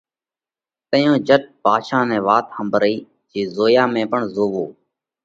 تئيون جھٽ ڀاڌشا نئہ وات ۿمڀرئِي جي زويا ۾ پڻ زووَو۔